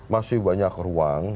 masih banyak ruang